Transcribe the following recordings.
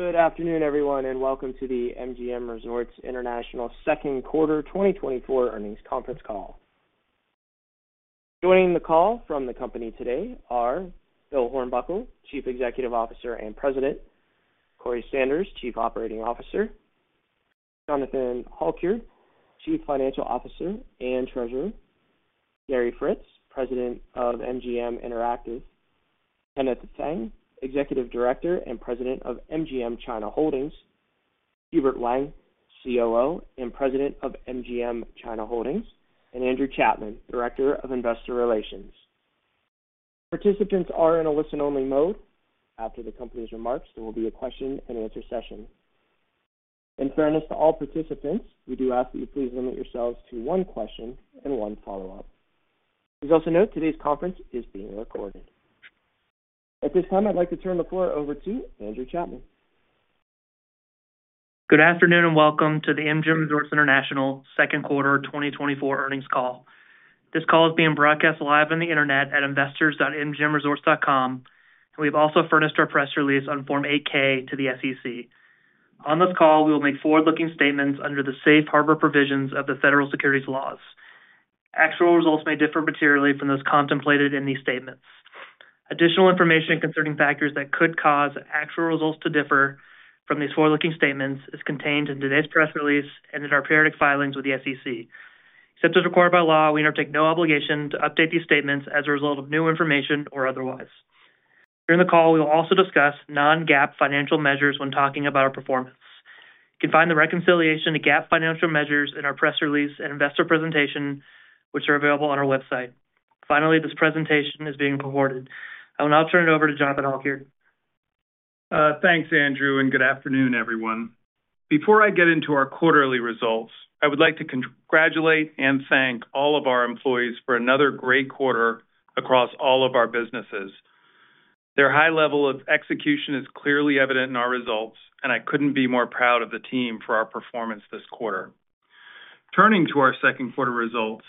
Good afternoon, everyone, and welcome to the MGM Resorts International second quarter 2024 earnings conference call. Joining the call from the company today are Bill Hornbuckle, Chief Executive Officer and President, Corey Sanders, Chief Operating Officer, Jonathan Halkyard, Chief Financial Officer and Treasurer, Gary Fritz, President of MGM Interactive, Kenneth Feng, Executive Director and President of MGM China Holdings, Hubert Wang, COO and President of MGM China Holdings, and Andrew Chapman, Director of Investor Relations. Participants are in a listen-only mode. After the company's remarks, there will be a question-and-answer session. In fairness to all participants, we do ask that you please limit yourselves to one question and one follow-up. Please also note today's conference is being recorded. At this time, I'd like to turn the floor over to Andrew Chapman. Good afternoon, and welcome to the MGM Resorts International second quarter 2024 earnings call. This call is being broadcast live on the internet at investors.mgmresorts.com, and we've also furnished our press release on Form 8-K to the SEC. On this call, we will make forward-looking statements under the safe harbor provisions of the federal securities laws. Actual results may differ materially from those contemplated in these statements. Additional information concerning factors that could cause actual results to differ from these forward-looking statements is contained in today's press release and in our periodic filings with the SEC. Except as required by law, we undertake no obligation to update these statements as a result of new information or otherwise. During the call, we will also discuss non-GAAP financial measures when talking about our performance. You can find the reconciliation to GAAP financial measures in our press release and investor presentation, which are available on our website. Finally, this presentation is being recorded. I will now turn it over to Jonathan Halkyard. Thanks, Andrew, and good afternoon, everyone. Before I get into our quarterly results, I would like to congratulate and thank all of our employees for another great quarter across all of our businesses. Their high level of execution is clearly evident in our results, and I couldn't be more proud of the team for our performance this quarter. Turning to our second quarter results,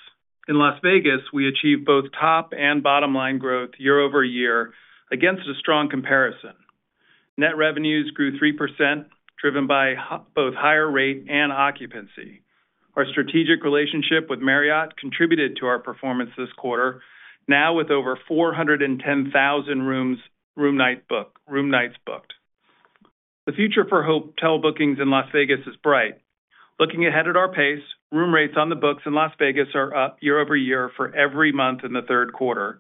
in Las Vegas, we achieved both top and bottom-line growth year-over-year against a strong comparison. Net revenues grew 3%, driven by both higher rate and occupancy. Our strategic relationship with Marriott contributed to our performance this quarter, now with over 410,000 room nights booked. The future for hotel bookings in Las Vegas is bright. Looking ahead at our pace, room rates on the books in Las Vegas are up year over year for every month in the third quarter,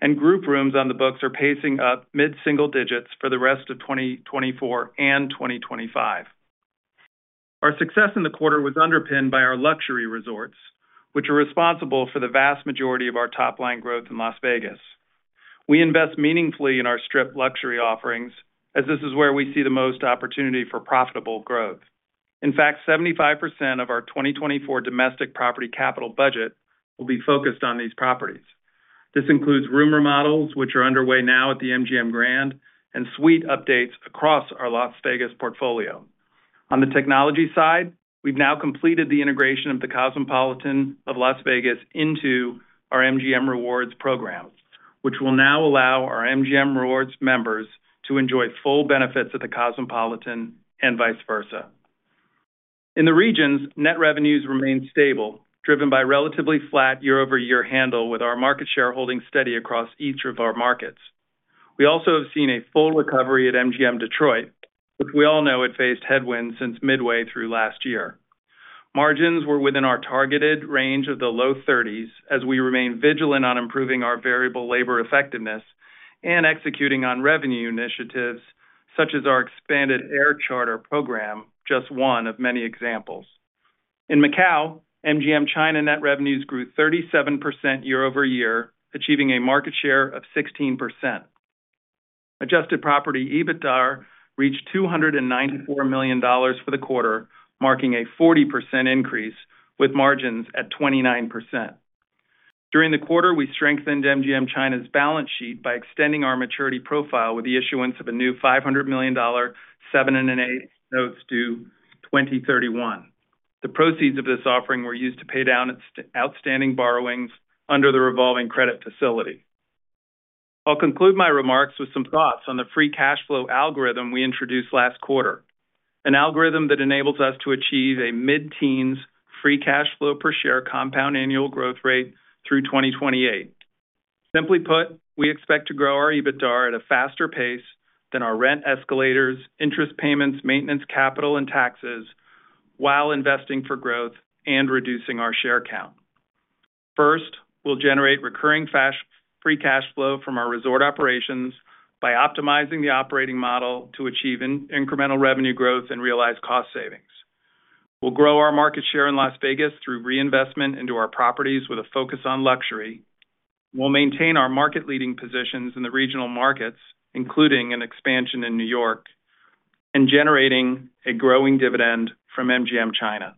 and group rooms on the books are pacing up mid-single digits for the rest of 2024 and 2025. Our success in the quarter was underpinned by our luxury resorts, which are responsible for the vast majority of our top-line growth in Las Vegas. We invest meaningfully in our Strip luxury offerings, as this is where we see the most opportunity for profitable growth. In fact, 75% of our 2024 domestic property capital budget will be focused on these properties. This includes room remodels, which are underway now at the MGM Grand, and suite updates across our Las Vegas portfolio. On the technology side, we've now completed the integration of The Cosmopolitan of Las Vegas into our MGM Rewards program, which will now allow our MGM Rewards members to enjoy full benefits at The Cosmopolitan and vice versa. In the regions, net revenues remained stable, driven by relatively flat year-over-year handle, with our market share holding steady across each of our markets. We also have seen a full recovery at MGM Detroit, which we all know had faced headwinds since midway through last year. Margins were within our targeted range of the low thirties, as we remain vigilant on improving our variable labor effectiveness and executing on revenue initiatives such as our expanded air charter program, just one of many examples. In Macau, MGM China net revenues grew 37% year-over-year, achieving a market share of 16%. Adjusted Property EBITDAR reached $294 million for the quarter, marking a 40% increase, with margins at 29%. During the quarter, we strengthened MGM China's balance sheet by extending our maturity profile with the issuance of a new $500 million 7% and 8% notes to 2031. The proceeds of this offering were used to pay down its outstanding borrowings under the revolving credit facility. I'll conclude my remarks with some thoughts on the free cash flow algorithm we introduced last quarter, an algorithm that enables us to achieve a mid-teens free cash flow per share compound annual growth rate through 2028. Simply put, we expect to grow our EBITDAR at a faster pace than our rent escalators, interest payments, maintenance, capital, and taxes while investing for growth and reducing our share count. First, we'll generate recurring free cash flow from our resort operations by optimizing the operating model to achieve incremental revenue growth and realize cost savings. We'll grow our market share in Las Vegas through reinvestment into our properties with a focus on luxury. We'll maintain our market-leading positions in the regional markets, including an expansion in New York, and generating a growing dividend from MGM China.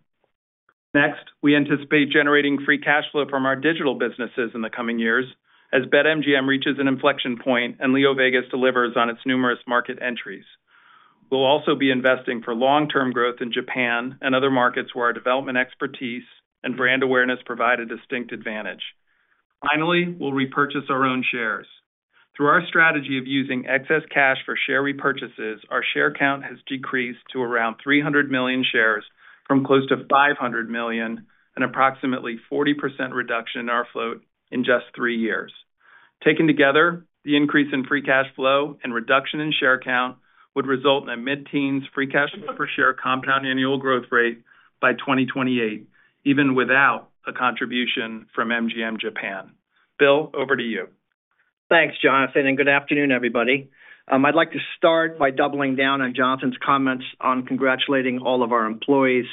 Next, we anticipate generating free cash flow from our digital businesses in the coming years as BetMGM reaches an inflection point and LeoVegas delivers on its numerous market entries. We'll also be investing for long-term growth in Japan and other markets where our development expertise and brand awareness provide a distinct advantage.... Finally, we'll repurchase our own shares. Through our strategy of using excess cash for share repurchases, our share count has decreased to around 300 million shares from close to 500 million, an approximately 40% reduction in our float in just three years. Taken together, the increase in free cash flow and reduction in share count would result in a mid-teens free cash flow per share compound annual growth rate by 2028, even without a contribution from MGM Japan. Bill, over to you. Thanks, Jonathan, and good afternoon, everybody. I'd like to start by doubling down on Jonathan's comments on congratulating all of our employees.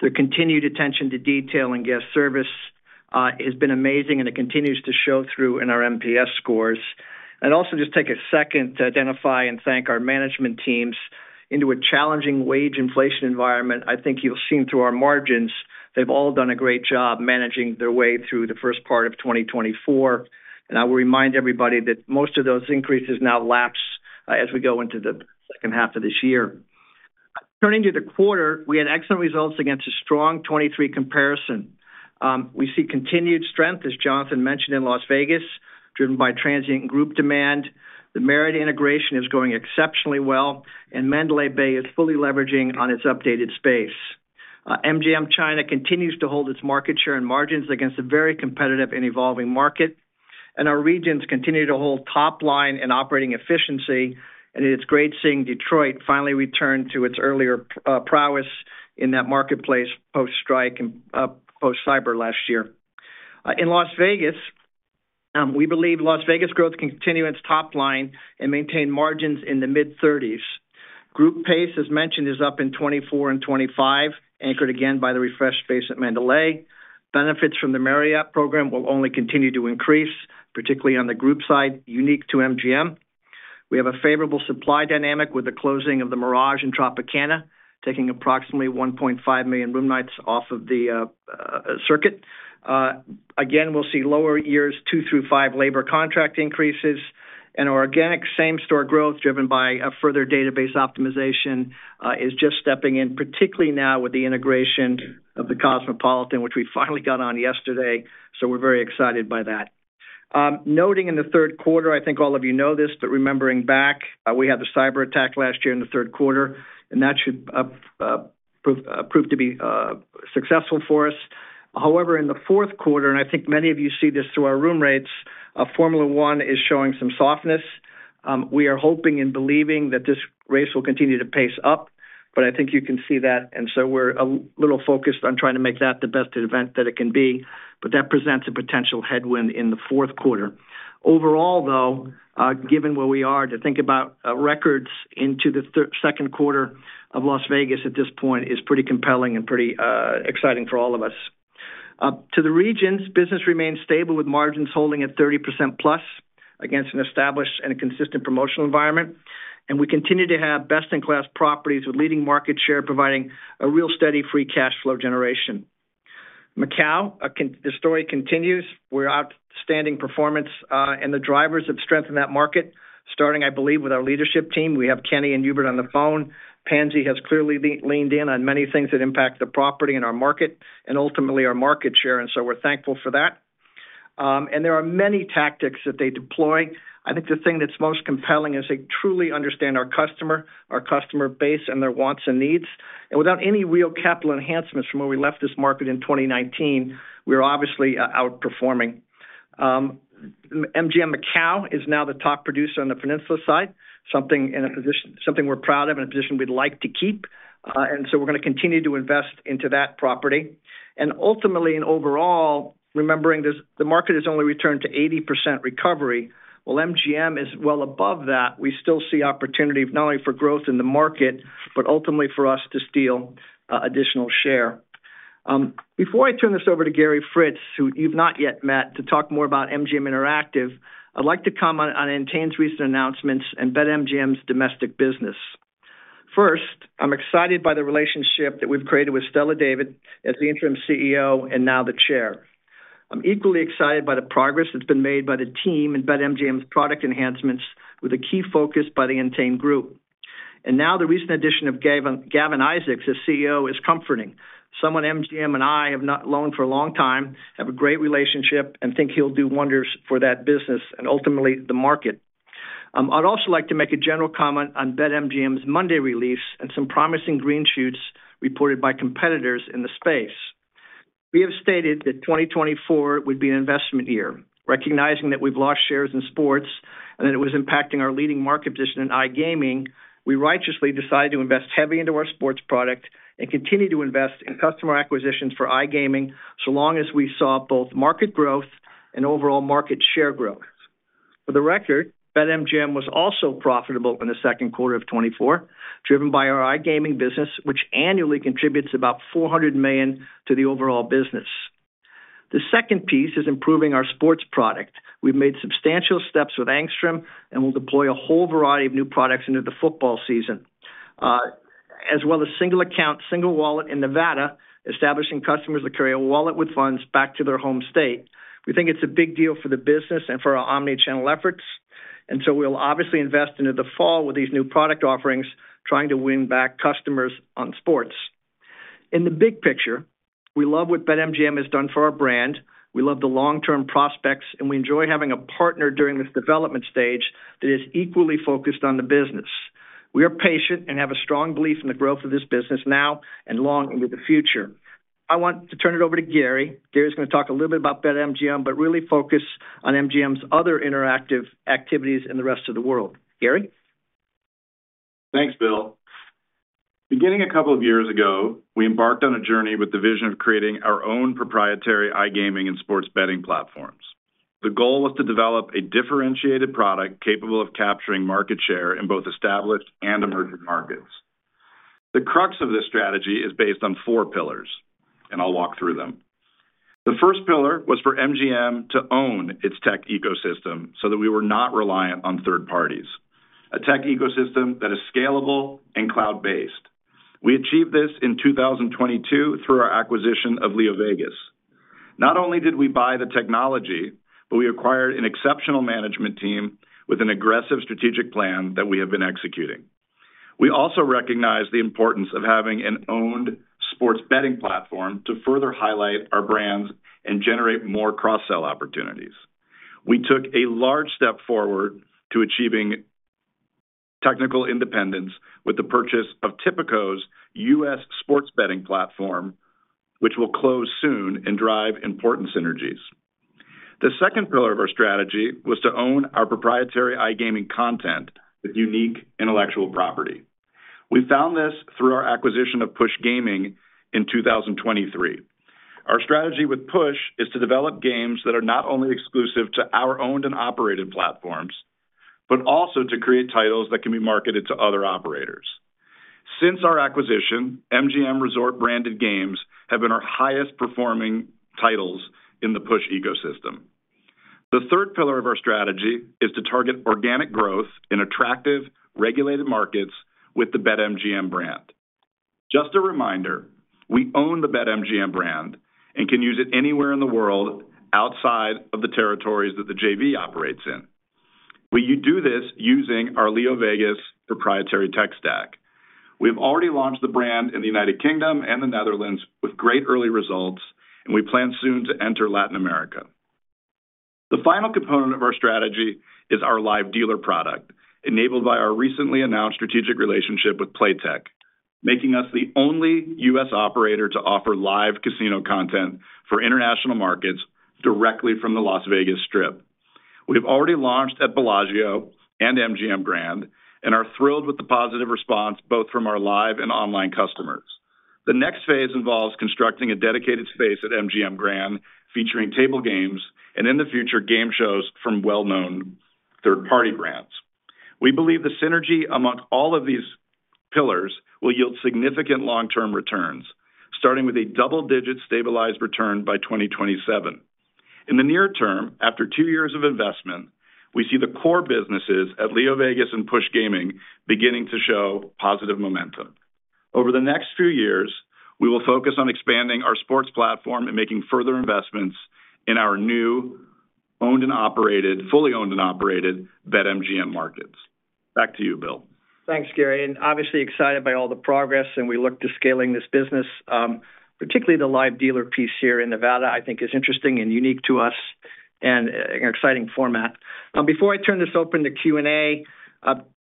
Their continued attention to detail and guest service has been amazing, and it continues to show through in our NPS scores. Also, just take a second to identify and thank our management teams in a challenging wage inflation environment. I think you'll see through our margins, they've all done a great job managing their way through the first part of 2024, and I will remind everybody that most of those increases now lapse as we go into the second half of this year. Turning to the quarter, we had excellent results against a strong 2023 comparison. We see continued strength, as Jonathan mentioned, in Las Vegas, driven by transient group demand. The Marriott integration is going exceptionally well, and Mandalay Bay is fully leveraging on its updated space. MGM China continues to hold its market share and margins against a very competitive and evolving market, and our regions continue to hold top line and operating efficiency, and it's great seeing Detroit finally return to its earlier prowess in that marketplace post-strike and post-cyber last year. In Las Vegas, we believe Las Vegas growth continue its top line and maintain margins in the mid-30s%. Group pace, as mentioned, is up in 2024 and 2025, anchored again by the refreshed space at Mandalay. Benefits from the Marriott program will only continue to increase, particularly on the group side, unique to MGM. We have a favorable supply dynamic with the closing of The Mirage and Tropicana, taking approximately 1.5 million room nights off of the circuit. Again, we'll see lower years, two through five, labor contract increases and our organic same-store growth, driven by a further database optimization, is just stepping in, particularly now with the integration of the Cosmopolitan, which we finally got on yesterday, so we're very excited by that. Noting in the third quarter, I think all of you know this, but remembering back, we had the cyberattack last year in the third quarter, and that should prove to be successful for us. However, in the fourth quarter, and I think many of you see this through our room rates, Formula One is showing some softness. We are hoping and believing that this race will continue to pace up, but I think you can see that, and so we're a little focused on trying to make that the best event that it can be, but that presents a potential headwind in the fourth quarter. Overall, though, given where we are, to think about records into the second quarter of Las Vegas at this point is pretty compelling and pretty exciting for all of us. To the regions, business remains stable, with margins holding at 30% plus against an established and a consistent promotional environment, and we continue to have best-in-class properties with leading market share, providing a real steady free cash flow generation. Macau, the story continues. We're outstanding performance, and the drivers of strength in that market, starting, I believe, with our leadership team. We have Kenny and Hubert on the phone. Pansy has clearly leaned in on many things that impact the property and our market and ultimately our market share, and so we're thankful for that. There are many tactics that they deploy. I think the thing that's most compelling is they truly understand our customer, our customer base, and their wants and needs. Without any real capital enhancements from where we left this market in 2019, we are obviously outperforming. MGM Macau is now the top producer on the peninsula side, something we're proud of and a position we'd like to keep, so we're going to continue to invest into that property. Ultimately, overall, remembering this, the market has only returned to 80% recovery, while MGM is well above that. We still see opportunity not only for growth in the market, but ultimately for us to steal additional share. Before I turn this over to Gary Fritz, who you've not yet met, to talk more about MGM Interactive, I'd like to comment on Entain's recent announcements and BetMGM's domestic business. First, I'm excited by the relationship that we've created with Stella David as the interim CEO and now the Chair. I'm equally excited by the progress that's been made by the team and BetMGM's product enhancements, with a key focus by the Entain group. Now, the recent addition of Gavin Isaacs as CEO is comforting. Someone MGM and I have known for a long time, have a great relationship, and think he'll do wonders for that business and ultimately the market. I'd also like to make a general comment on BetMGM's Monday release and some promising green shoots reported by competitors in the space. We have stated that 2024 would be an investment year, recognizing that we've lost shares in sports and that it was impacting our leading market position in iGaming, we rightly decided to invest heavily into our sports product and continue to invest in customer acquisitions for iGaming, so long as we saw both market growth and overall market share growth. For the record, BetMGM was also profitable in the second quarter of 2024, driven by our iGaming business, which annually contributes about $400 million to the overall business. The second piece is improving our sports product. We've made substantial steps with Angstrom, and we'll deploy a whole variety of new products into the football season, as well as single account, single wallet in Nevada, establishing customers that carry a wallet with funds back to their home state. We think it's a big deal for the business and for our Omni-channel efforts, and so we'll obviously invest into the fall with these new product offerings, trying to win back customers on sports.... In the big picture, we love what BetMGM has done for our brand, we love the long-term prospects, and we enjoy having a partner during this development stage that is equally focused on the business. We are patient and have a strong belief in the growth of this business now and long into the future. I want to turn it over to Gary. Gary is going to talk a little bit about BetMGM, but really focus on MGM's other interactive activities in the rest of the world. Gary? Thanks, Bill. Beginning a couple of years ago, we embarked on a journey with the vision of creating our own proprietary iGaming and sports betting platforms. The goal was to develop a differentiated product capable of capturing market share in both established and emerging markets. The crux of this strategy is based on four pillars, and I'll walk through them. The first pillar was for MGM to own its tech ecosystem so that we were not reliant on third parties, a tech ecosystem that is scalable and cloud-based. We achieved this in 2022 through our acquisition of LeoVegas. Not only did we buy the technology, but we acquired an exceptional management team with an aggressive strategic plan that we have been executing. We also recognize the importance of having an owned sports betting platform to further highlight our brands and generate more cross-sell opportunities. We took a large step forward to achieving technical independence with the purchase of Tipico's US sports betting platform, which will close soon and drive important synergies. The second pillar of our strategy was to own our proprietary iGaming content with unique intellectual property. We found this through our acquisition of Push Gaming in 2023. Our strategy with Push is to develop games that are not only exclusive to our owned and operated platforms, but also to create titles that can be marketed to other operators. Since our acquisition, MGM Resorts branded games have been our highest performing titles in the Push ecosystem. The third pillar of our strategy is to target organic growth in attractive, regulated markets with the BetMGM brand. Just a reminder, we own the BetMGM brand and can use it anywhere in the world outside of the territories that the JV operates in. We do this using our LeoVegas proprietary tech stack. We have already launched the brand in the United Kingdom and the Netherlands with great early results, and we plan soon to enter Latin America. The final component of our strategy is our live dealer product, enabled by our recently announced strategic relationship with Playtech, making us the only U.S. operator to offer live casino content for international markets directly from the Las Vegas Strip. We have already launched at Bellagio and MGM Grand, and are thrilled with the positive response, both from our live and online customers. The next phase involves constructing a dedicated space at MGM Grand, featuring table games, and in the future, game shows from well-known third-party brands. We believe the synergy among all of these pillars will yield significant long-term returns, starting with a double-digit stabilized return by 2027. In the near term, after two years of investment, we see the core businesses at LeoVegas and Push Gaming beginning to show positive momentum. Over the next few years, we will focus on expanding our sports platform and making further investments in our new, owned and operated, fully owned and operated BetMGM markets. Back to you, Bill. Thanks, Gary, and obviously excited by all the progress, and we look to scaling this business, particularly the live dealer piece here in Nevada, I think is interesting and unique to us and an exciting format. Before I turn this open to Q&A,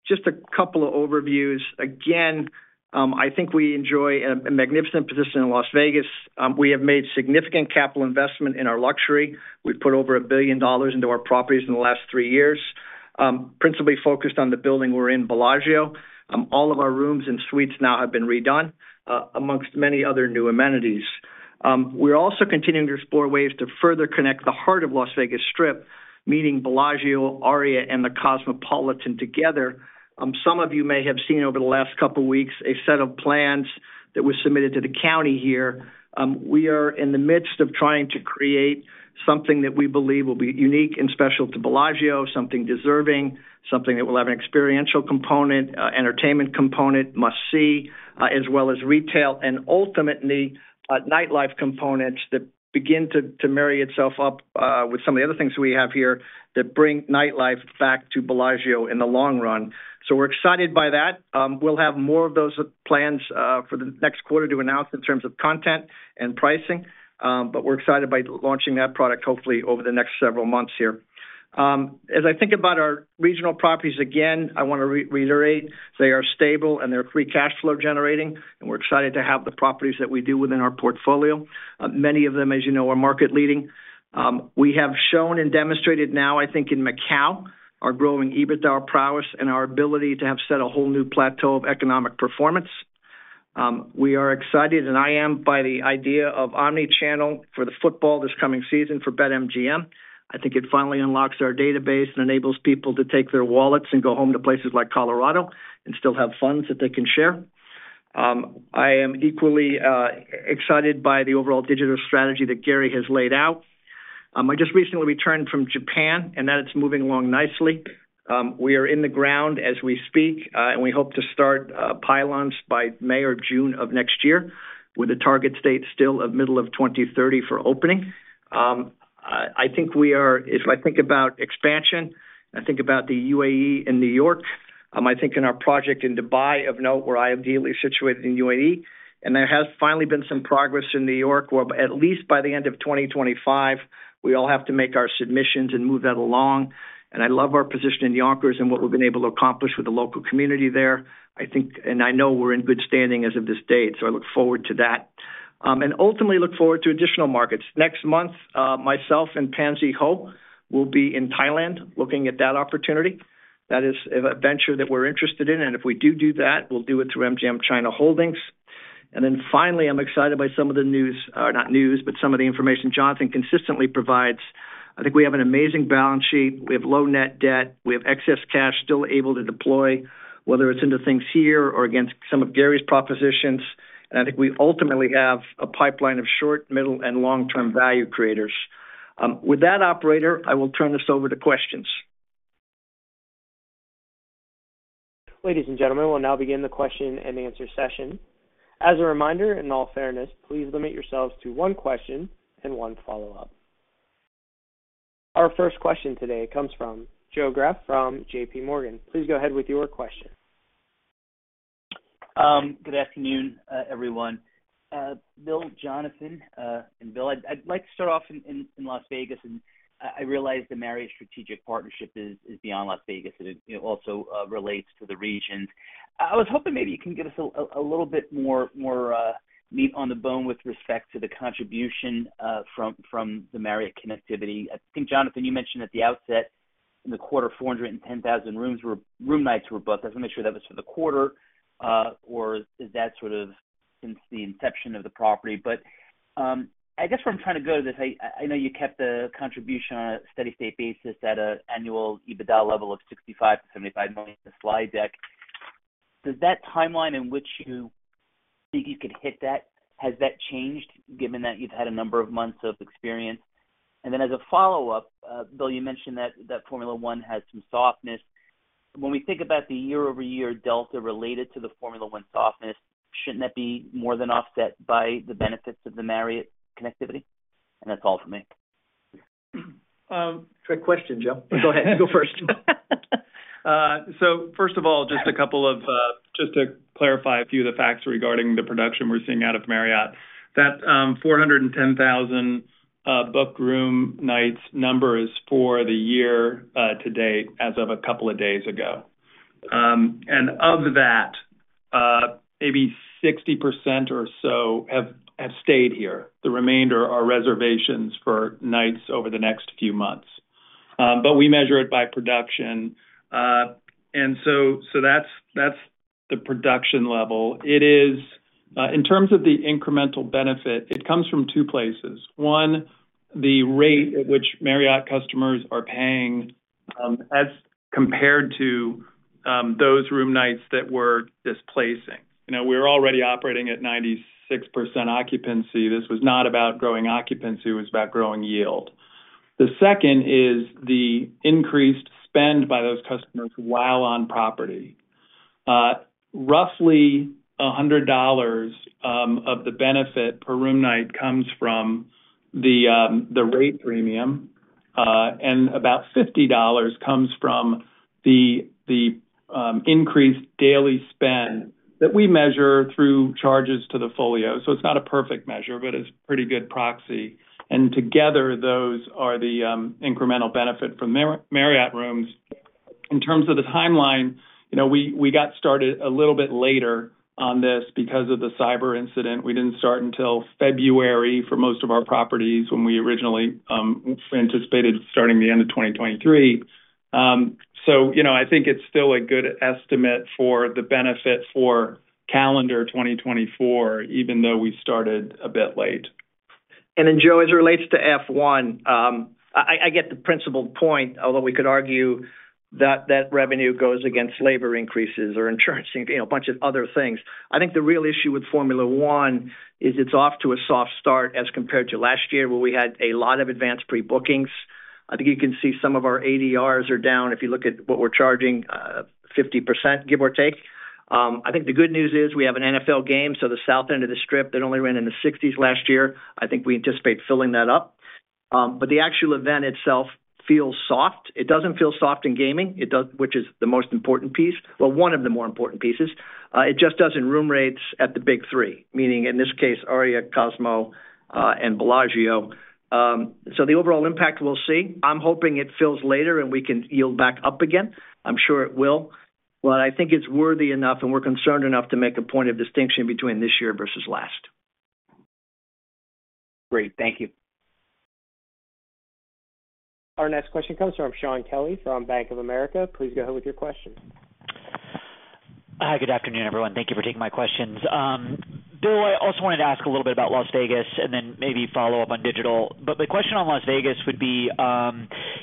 just a couple of overviews. Again, I think we enjoy a magnificent position in Las Vegas. We have made significant capital investment in our luxury. We've put over $1 billion into our properties in the last three years, principally focused on the building we're in, Bellagio. All of our rooms and suites now have been redone, amongst many other new amenities. We're also continuing to explore ways to further connect the heart of Las Vegas Strip, meaning Bellagio, Aria, and The Cosmopolitan together. Some of you may have seen over the last couple weeks, a set of plans that were submitted to the county here. We are in the midst of trying to create something that we believe will be unique and special to Bellagio, something deserving, something that will have an experiential component, entertainment component, must-see, as well as retail, and ultimately, nightlife components that begin to marry itself up with some of the other things we have here that bring nightlife back to Bellagio in the long run. So we're excited by that. We'll have more of those plans for the next quarter to announce in terms of content and pricing, but we're excited by launching that product, hopefully, over the next several months here. As I think about our regional properties, again, I want to reiterate they are stable and they're free cash flow generating, and we're excited to have the properties that we do within our portfolio. Many of them, as you know, are market leading. We have shown and demonstrated now, I think, in Macau, our growing EBITDA prowess and our ability to have set a whole new plateau of economic performance. We are excited, and I am, by the idea of omni-channel for the football this coming season for BetMGM. I think it finally unlocks our database and enables people to take their wallets and go home to places like Colorado and still have funds that they can share. I am equally excited by the overall digital strategy that Gary has laid out. I just recently returned from Japan, and that it's moving along nicely. We are in the ground as we speak, and we hope to start pylons by May or June of next year, with a target date still of middle of 2030 for opening. I think we are, if I think about expansion, I think about the UAE in New York. I think in our project in Dubai of note, where MGM is situated in UAE, and there has finally been some progress in New York, where at least by the end of 2025, we all have to make our submissions and move that along. And I love our position in Yonkers and what we've been able to accomplish with the local community there. I think, and I know we're in good standing as of this date, so I look forward to that. And ultimately look forward to additional markets. Next month, myself and Pansy Ho will be in Thailand looking at that opportunity. That is a venture that we're interested in, and if we do do that, we'll do it through MGM China Holdings. And then finally, I'm excited by some of the news, or not news, but some of the information Jonathan consistently provides. I think we have an amazing balance sheet. We have low net debt. We have excess cash still able to deploy, whether it's into things here or against some of Gary's propositions. And I think we ultimately have a pipeline of short, middle, and long-term value creators. With that, operator, I will turn this over to questions. Ladies and gentlemen, we'll now begin the question and answer session. As a reminder, in all fairness, please limit yourselves to one question and one follow-up. Our first question today comes from Joe Greff from JP Morgan. Please go ahead with your question. Good afternoon, everyone. Bill, Jonathan, and Bill, I'd like to start off in Las Vegas, and I realize the Marriott strategic partnership is beyond Las Vegas, and it also relates to the region. I was hoping maybe you can give us a little bit more meat on the bone with respect to the contribution from the Marriott connectivity. I think, Jonathan, you mentioned at the outset in the quarter, 410,000 room nights were booked. I just want to make sure that was for the quarter or is that sort of since the inception of the property? But I guess where I'm trying to go with this, I know you kept the contribution on a steady state basis at an annual EBITDA level of $65 million-$75 million in the slide deck. Does that timeline in which you think you could hit that, has that changed given that you've had a number of months of experience? And then as a follow-up, Bill, you mentioned that Formula One has some softness. When we think about the year-over-year delta related to the Formula One softness, shouldn't that be more than offset by the benefits of the Marriott connectivity? And that's all for me. Great question, Joe. Go ahead. Go first. So first of all, just a couple of... Just to clarify a few of the facts regarding the production we're seeing out of Marriott. That 410,000 booked room nights number is for the year to date as of a couple of days ago. And of that, maybe 60% or so have stayed here. The remainder are reservations for nights over the next few months. But we measure it by production, and so that's the production level. It is in terms of the incremental benefit, it comes from two places. One, the rate at which Marriott customers are paying, as compared to those room nights that we're displacing. You know, we're already operating at 96% occupancy. This was not about growing occupancy, it was about growing yield. The second is the increased spend by those customers while on property. Roughly $100 of the benefit per room night comes from the rate premium, and about $50 comes from the increased daily spend that we measure through charges to the folio. So it's not a perfect measure, but it's a pretty good proxy, and together, those are the incremental benefit from Marriott rooms. In terms of the timeline, you know, we got started a little bit later on this because of the cyber incident. We didn't start until February for most of our properties when we originally anticipated starting the end of 2023. So, you know, I think it's still a good estimate for the benefit for calendar 2024, even though we started a bit late. And then, Joe, as it relates to F1, I get the principal point, although we could argue that that revenue goes against labor increases or insurance, you know, a bunch of other things. I think the real issue with Formula One is it's off to a soft start as compared to last year, where we had a lot of advanced pre-bookings. I think you can see some of our ADRs are down if you look at what we're charging, 50%, give or take. I think the good news is we have an NFL game, so the south end of the Strip that only ran in the 60s last year, I think we anticipate filling that up. But the actual event itself feels soft. It doesn't feel soft in gaming, it does, which is the most important piece, well, one of the more important pieces. It just does in room rates at the big three, meaning in this case, Aria, Cosmo, and Bellagio. So the overall impact, we'll see. I'm hoping it fills later, and we can yield back up again. I'm sure it will, but I think it's worthy enough, and we're concerned enough to make a point of distinction between this year versus last. Great. Thank you. Our next question comes from Shaun Kelley from Bank of America. Please go ahead with your question. Hi, good afternoon, everyone. Thank you for taking my questions. Bill, I also wanted to ask a little bit about Las Vegas and then maybe follow up on digital. But the question on Las Vegas would be,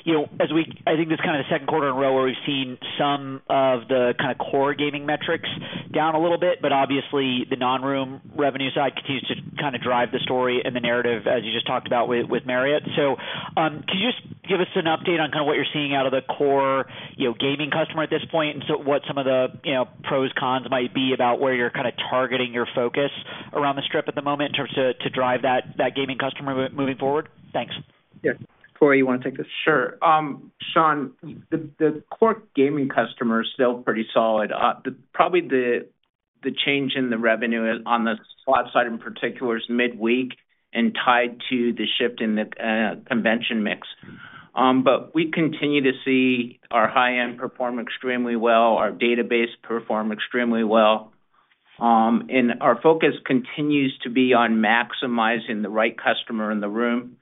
you know, as we, I think this is kind of the second quarter in a row where we've seen some of the kind of core gaming metrics down a little bit, but obviously, the non-room revenue side continues to kind of drive the story and the narrative, as you just talked about with, with Marriott. So, could you just give us an... Update on kind of what you're seeing out of the core, you know, gaming customer at this point, and so what some of the, you know, pros, cons might be about where you're kind of targeting your focus around the Strip at the moment in terms to, to drive that, that gaming customer moving forward? Thanks. Yeah. Corey, you wanna take this? Sure. Shaun, the core gaming customer is still pretty solid. The change in the revenue on the slot side, in particular, is midweek and tied to the shift in the convention mix. But we continue to see our high end perform extremely well, our database perform extremely well. And our focus continues to be on maximizing the right customer in the room,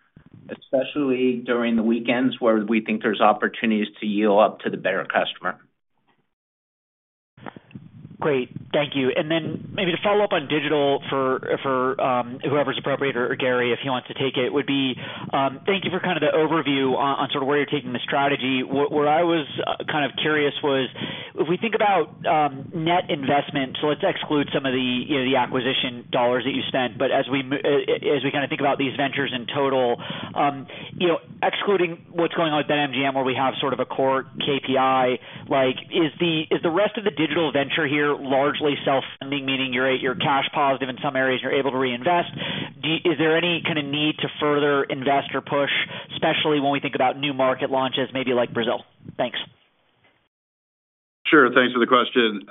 especially during the weekends, where we think there's opportunities to yield up to the better customer. Great, thank you. And then maybe to follow up on digital for whoever is appropriate or Gary, if he wants to take it, would be thank you for kind of the overview on sort of where you're taking the strategy. Where I was kind of curious was, if we think about net investment, so let's exclude some of the, you know, the acquisition dollars that you spent, but as we kind of think about these ventures in total, you know, excluding what's going on with BetMGM, where we have sort of a core KPI, like, is the rest of the digital venture here largely self-funding, meaning you're cash positive in some areas, and you're able to reinvest? Is there any kind of need to further invest or push, especially when we think about new market launches, maybe like Brazil? Thanks. Sure. Thanks for the question.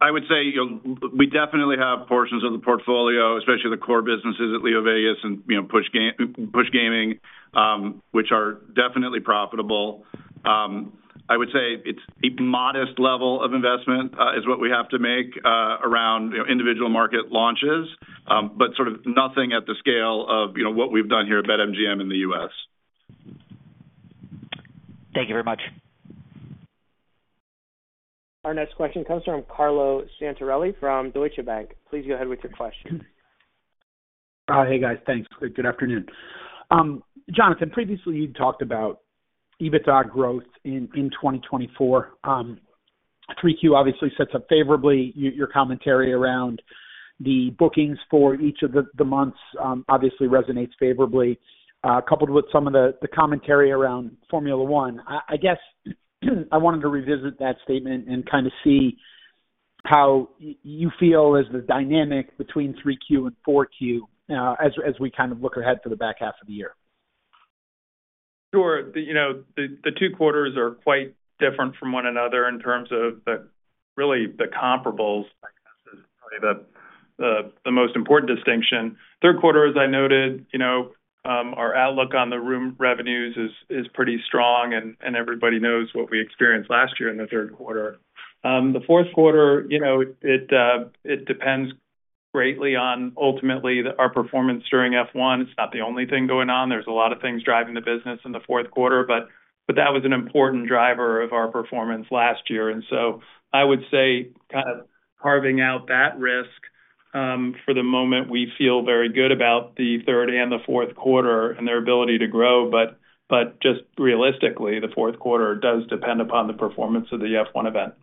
I would say, you know, we definitely have portions of the portfolio, especially the core businesses at LeoVegas and, you know, Push Gaming, which are definitely profitable. I would say it's a modest level of investment is what we have to make around, you know, individual market launches, but sort of nothing at the scale of, you know, what we've done here at BetMGM in the US. Thank you very much. Our next question comes from Carlo Santarelli, from Deutsche Bank. Please go ahead with your question. Hey, guys. Thanks. Good afternoon. Jonathan, previously, you talked about EBITDA growth in 2024. 3Q obviously sets up favorably. Your commentary around the bookings for each of the months obviously resonates favorably, coupled with some of the commentary around Formula One. I guess I wanted to revisit that statement and kind of see how you feel is the dynamic between 3Q and 4Q, as we kind of look ahead to the back half of the year. Sure. You know, the two quarters are quite different from one another in terms of, really, the comparables. I think this is probably the most important distinction. Third quarter, as I noted, you know, our outlook on the room revenues is pretty strong, and everybody knows what we experienced last year in the third quarter. The fourth quarter, you know, it depends greatly on, ultimately, our performance during F1. It's not the only thing going on. There's a lot of things driving the business in the fourth quarter, but that was an important driver of our performance last year. And so I would say, kind of carving out that risk, for the moment, we feel very good about the third and the fourth quarter and their ability to grow, but just realistically, the fourth quarter does depend upon the performance of the F1 event.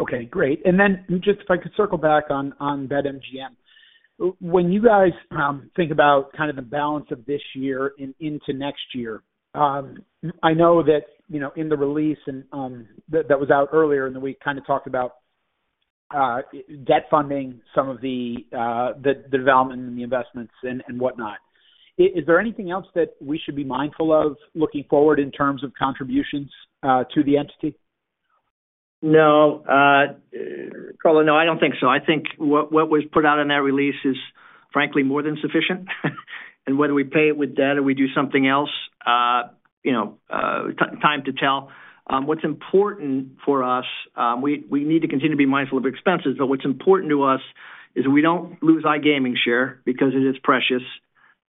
Okay, great. And then just if I could circle back on BetMGM. When you guys think about kind of the balance of this year and into next year, I know that, you know, in the release and that that was out earlier in the week, kind of talked about debt funding, some of the development and the investments and whatnot. Is there anything else that we should be mindful of looking forward in terms of contributions to the entity? No, Carlo, no, I don't think so. I think what was put out in that release is, frankly, more than sufficient. And whether we pay it with debt or we do something else, you know, time to tell. What's important for us, we need to continue to be mindful of expenses, but what's important to us is we don't lose iGaming share because it is precious,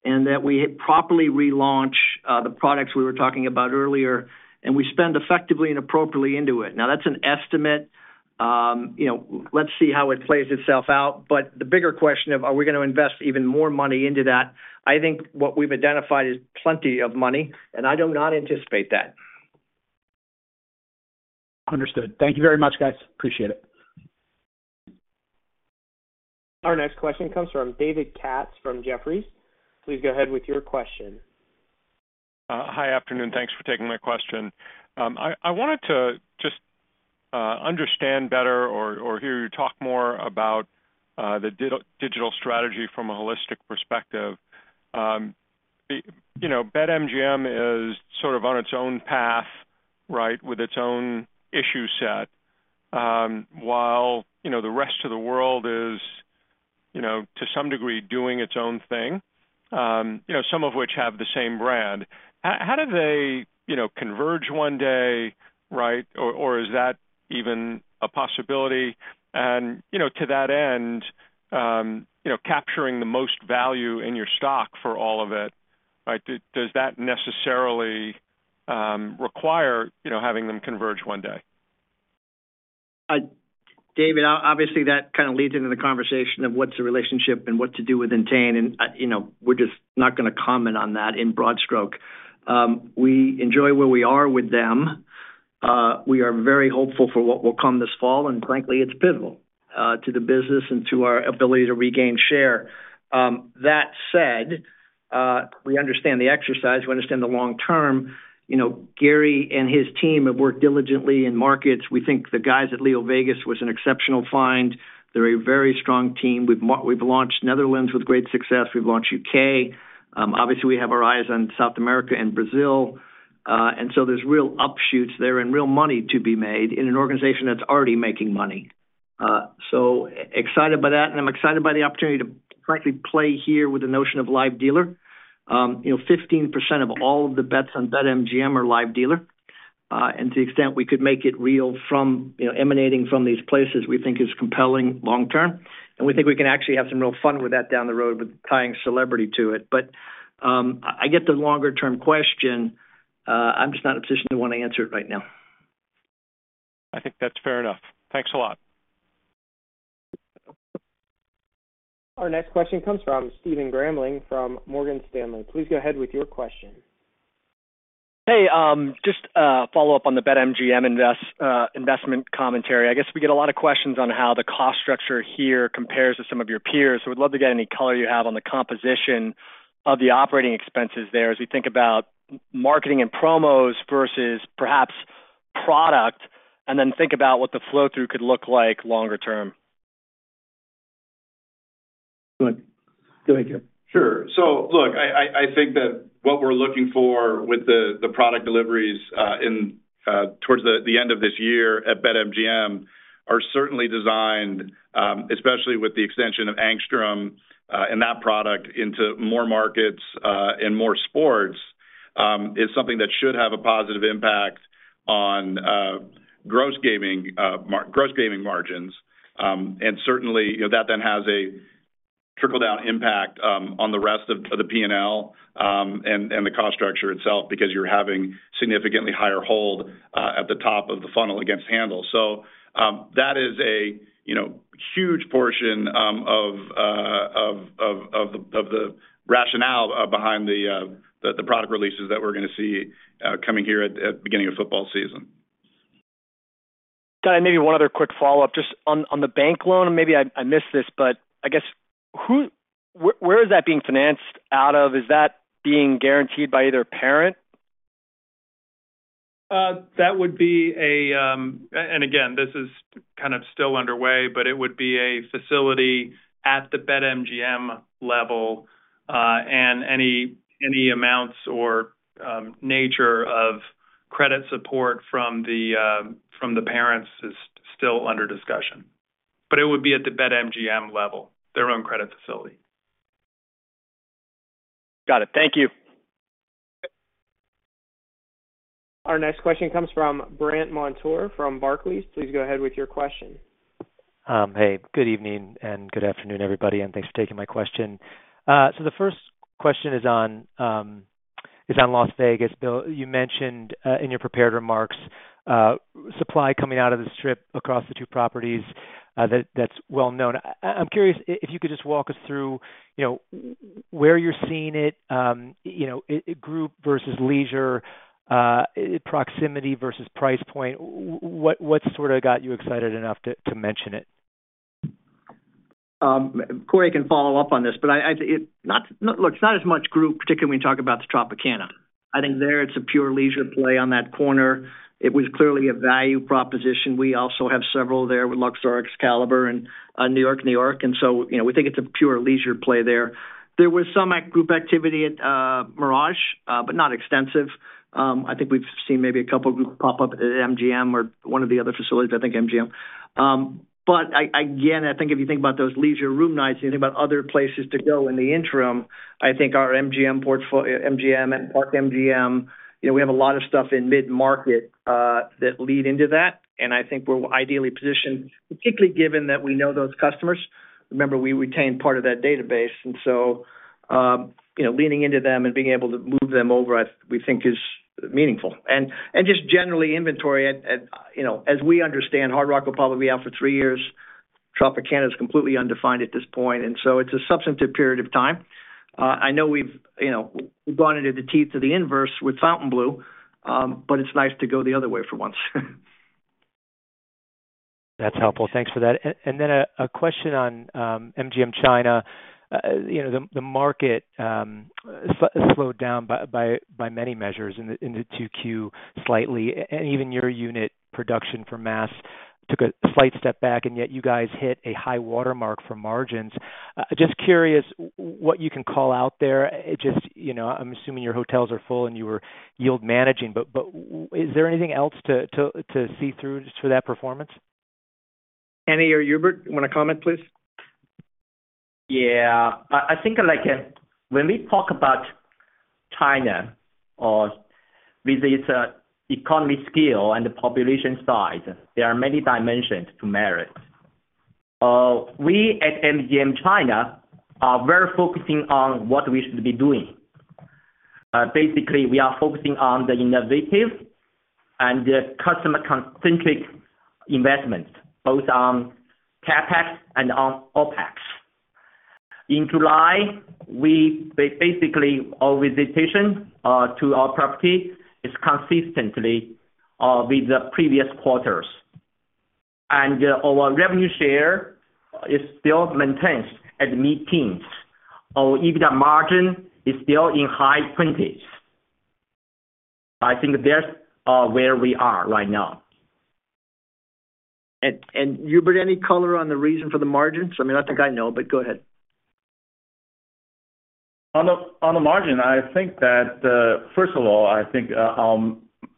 and that we properly relaunch the products we were talking about earlier, and we spend effectively and appropriately into it. Now, that's an estimate. You know, let's see how it plays itself out, but the bigger question of are we gonna invest even more money into that? I think what we've identified is plenty of money, and I do not anticipate that. Understood. Thank you very much, guys. Appreciate it. Our next question comes from David Katz from Jefferies. Please go ahead with your question. Hi, afternoon. Thanks for taking my question. I wanted to just understand better or hear you talk more about the digital strategy from a holistic perspective. You know, BetMGM is sort of on its own path, right? With its own issue set, while, you know, the rest of the world is, you know, to some degree, doing its own thing, you know, some of which have the same brand. How do they, you know, converge one day, right? Or is that even a possibility? And, you know, to that end, you know, capturing the most value in your stock for all of it, right, does that necessarily require, you know, having them converge one day? David, obviously, that kind of leads into the conversation of what's the relationship and what to do with Entain, and, you know, we're just not gonna comment on that in broad stroke. We enjoy where we are with them. We are very hopeful for what will come this fall, and frankly, it's pivotal to the business and to our ability to regain share. That said, we understand the exercise, we understand the long term. You know, Gary and his team have worked diligently in markets. We think the guys at LeoVegas was an exceptional find. They're a very strong team. We've launched Netherlands with great success. We've launched UK. Obviously, we have our eyes on South America and Brazil. And so there's real upshoots there and real money to be made in an organization that's already making money. So excited by that, and I'm excited by the opportunity to frankly play here with the notion of live dealer. You know, 15% of all of the bets on BetMGM are live dealer. And to the extent we could make it real from, you know, emanating from these places, we think is compelling long term. And we think we can actually have some real fun with that down the road with tying celebrity to it. But I get the longer term question. I'm just not in a position to want to answer it right now. I think that's fair enough. Thanks a lot. Our next question comes from Stephen Grambling from Morgan Stanley. Please go ahead with your question. Hey, just a follow-up on the BetMGM investment commentary. I guess we get a lot of questions on how the cost structure here compares to some of your peers. So we'd love to get any color you have on the composition of the operating expenses there as we think about marketing and promos versus perhaps product, and then think about what the flow-through could look like longer term. Good. Go ahead, Gary. Sure. So look, I think that what we're looking for with the product deliveries in towards the end of this year at BetMGM are certainly designed, especially with the extension of Angstrom and that product into more markets and more sports is something that should have a positive impact on gross gaming gross gaming margins. And certainly, you know, that then has a trickle-down impact on the rest of the P&L and the cost structure itself, because you're having significantly higher hold at the top of the funnel against handle. So that is a you know huge portion of the rationale behind the product releases that we're going to see coming here at the beginning of football season. Got it. Maybe one other quick follow-up, just on the bank loan, and maybe I missed this, but I guess, where is that being financed out of? Is that being guaranteed by either parent? be a facility at the BetMGM level, and again, this is kind of still underway, but it would be a facility at the BetMGM level, and any amounts or nature of credit support from the parents is still under discussion. But it would be at the BetMGM level, their own credit facility. Got it. Thank you. Our next question comes from Brandt Montour, from Barclays. Please go ahead with your question. Hey, good evening and good afternoon, everybody, and thanks for taking my question. So the first question is on Las Vegas. Bill, you mentioned in your prepared remarks supply coming out of the Strip across the two properties, that that's well known. I'm curious if you could just walk us through, you know, where you're seeing it, you know, group versus leisure, proximity versus price point. What sort of got you excited enough to mention it? Corey can follow up on this, but, look, it's not as much group, particularly when we talk about the Tropicana. I think there, it's a pure leisure play on that corner. It was clearly a value proposition. We also have several there with Luxor-Excalibur and New York-New York, and so, you know, we think it's a pure leisure play there. There was some group activity at Mirage, but not extensive. I think we've seen maybe a couple of groups pop up at MGM or one of the other facilities, I think MGM. But again, I think if you think about those leisure room nights, you think about other places to go in the interim, I think our MGM portfolio, MGM and Park MGM, you know, we have a lot of stuff in mid-market, that lead into that, and I think we're ideally positioned, particularly given that we know those customers. Remember, we retained part of that database, and so, you know, leaning into them and being able to move them over, we think is meaningful. And just generally, inventory at, you know, as we understand, Hard Rock will probably be out for three years. Tropicana is completely undefined at this point, and so it's a substantive period of time. I know we've, you know, we've gone into the teeth of the inverse with Fontainebleau, but it's nice to go the other way for once. That's helpful. Thanks for that. And then a question on MGM China. You know, the market slowed down by many measures in the 2Q slightly, and even your unit production for mass took a slight step back, and yet you guys hit a high watermark for margins. Just curious what you can call out there. It just, you know, I'm assuming your hotels are full and you were yield managing, but is there anything else to see through to that performance? Kenny or Hubert, you want to comment, please? Yeah. I think, like, when we talk about China or with its economy scale and the population size, there are many dimensions to merit. We at MGM China are very focusing on what we should be doing. Basically, we are focusing on the innovative and the customer-centric investments, both on CapEx and on OpEx.... In July, we basically, our visitation to our property is consistently with the previous quarters. Our revenue share is still maintains at mid-teens. Our EBITDA margin is still in high twenties. I think that's where we are right now. And, Hubert, any color on the reason for the margins? I mean, I think I know, but go ahead. On the margin, I think that first of all, I think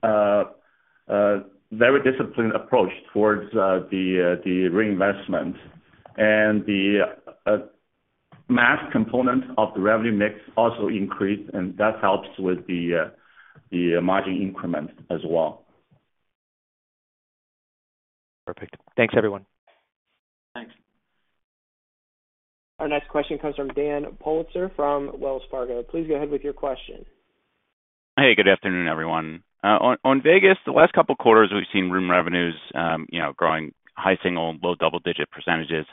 a very disciplined approach towards the reinvestment and the mass component of the revenue mix also increased, and that helps with the margin increment as well. Perfect. Thanks, everyone. Thanks. Our next question comes from Dan Politzer, from Wells Fargo. Please go ahead with your question. Hey, good afternoon, everyone. On Vegas, the last couple quarters, we've seen room revenues, you know, growing high single-digit, low double-digit percentage,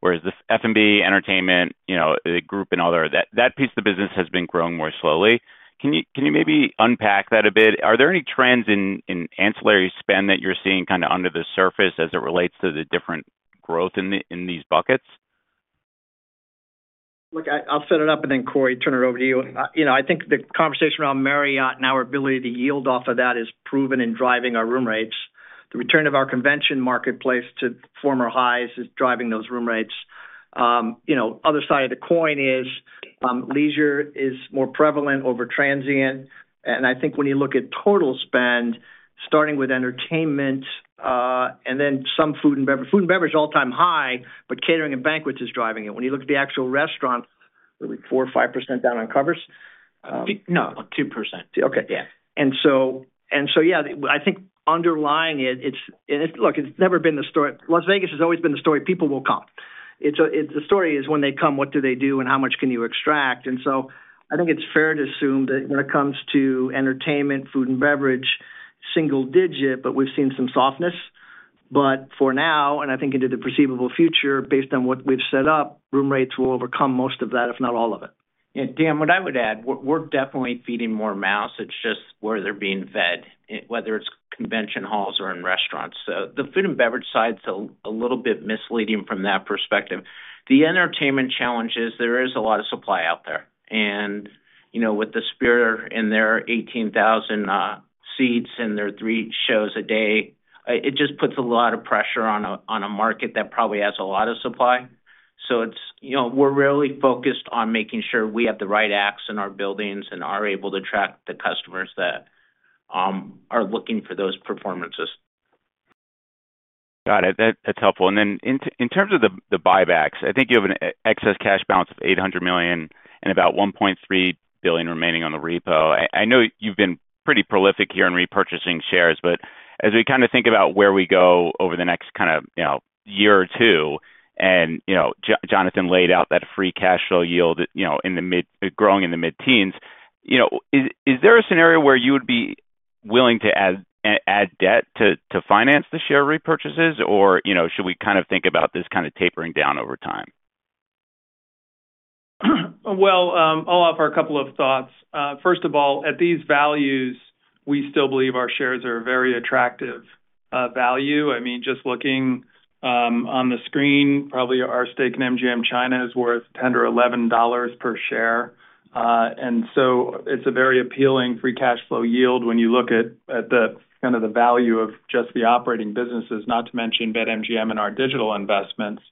whereas the F&B, entertainment, you know, the group and other, that piece of the business has been growing more slowly. Can you maybe unpack that a bit? Are there any trends in ancillary spend that you're seeing kind of under the surface as it relates to the different growth in these buckets? Look, I, I'll set it up and then, Corey, turn it over to you. You know, I think the conversation around Marriott and our ability to yield off of that is proven in driving our room rates. The return of our convention marketplace to former highs is driving those room rates. You know, other side of the coin is, leisure is more prevalent over transient. And I think when you look at total spend, starting with entertainment, and then some food and beverage. Food and beverage, all-time high, but catering and banquets is driving it. When you look at the actual restaurant, we're like 4 or 5% down on covers? No, 2%. Okay. Yeah. Yeah, I think underlying it, it's... Look, it's never been the story. Las Vegas has always been the story, people will come. It's the story is when they come, what do they do, and how much can you extract? And so I think it's fair to assume that when it comes to entertainment, food and beverage, single digit, but we've seen some softness. But for now, and I think into the foreseeable future, based on what we've set up, room rates will overcome most of that, if not all of it. And Dan, what I would add, we're definitely feeding more mouths, it's just where they're being fed, whether it's convention halls or in restaurants. So the food and beverage side is a little bit misleading from that perspective. The entertainment challenge is there is a lot of supply out there. And, you know, with the Sphere and their 18,000 seats and their three shows a day, it just puts a lot of pressure on a market that probably has a lot of supply. So it's, you know, we're really focused on making sure we have the right acts in our buildings and are able to attract the customers that are looking for those performances. Got it. That's helpful. And then in terms of the buybacks, I think you have an excess cash balance of $800 million and about $1.3 billion remaining on the repo. I know you've been pretty prolific here in repurchasing shares, but as we kind of think about where we go over the next kind of, you know, year or two, and, you know, Jonathan laid out that free cash flow yield, you know, in the mid-teens growing in the mid-teens, you know, is there a scenario where you would be willing to add debt to finance the share repurchases? Or, you know, should we kind of think about this kind of tapering down over time? Well, I'll offer a couple of thoughts. First of all, at these values, we still believe our shares are a very attractive value. I mean, just looking on the screen, probably our stake in MGM China is worth $10 or $11 per share. And so it's a very appealing free cash flow yield when you look at the kind of value of just the operating businesses, not to mention BetMGM and our digital investments.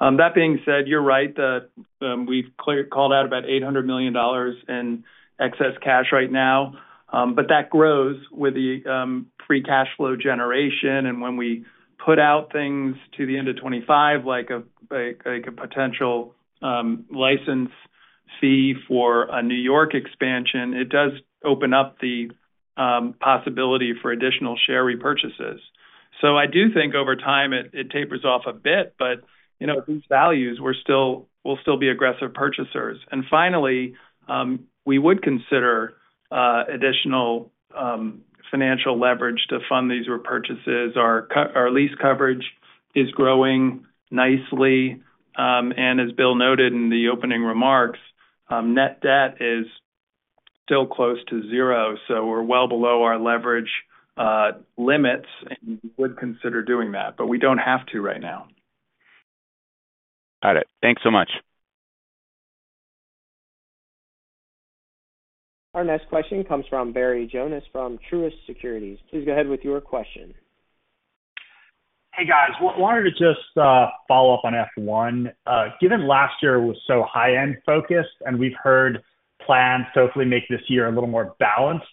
That being said, you're right that we've called out about $800 million in excess cash right now, but that grows with the free cash flow generation. When we put out things to the end of 2025, like a potential license fee for a New York expansion, it does open up the possibility for additional share repurchases. So I do think over time, it tapers off a bit, but you know, at these values, we'll still be aggressive purchasers. Finally, we would consider additional financial leverage to fund these repurchases. Our lease coverage is growing nicely, and as Bill noted in the opening remarks, net debt is still close to zero, so we're well below our leverage limits, and we would consider doing that, but we don't have to right now. Got it. Thanks so much. Our next question comes from Barry Jonas, from Truist Securities. Please go ahead with your question. Hey, guys, wanted to just follow up on F1. Given last year was so high-end focused, and we've heard plans to hopefully make this year a little more balanced,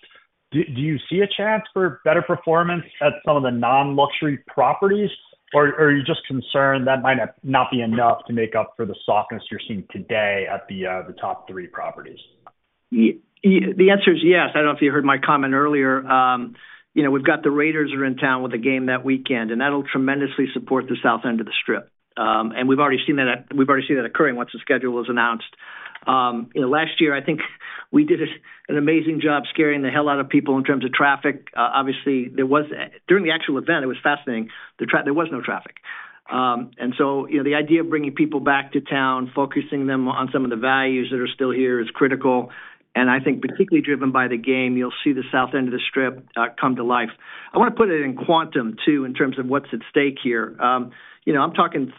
do you see a chance for better performance at some of the non-luxury properties, or are you just concerned that might not be enough to make up for the softness you're seeing today at the top three properties? The answer is yes. I don't know if you heard my comment earlier. You know, we've got the Raiders are in town with a game that weekend, and that'll tremendously support the south end of the Strip. And we've already seen that occurring once the schedule was announced. You know, last year, I think we did an amazing job scaring the hell out of people in terms of traffic. Obviously, during the actual event, it was fascinating. There was no traffic. And so, you know, the idea of bringing people back to town, focusing them on some of the values that are still here, is critical, and I think particularly driven by the game, you'll see the south end of the Strip come to life. I want to put it in quantum, too, in terms of what's at stake here. You know, I'm talking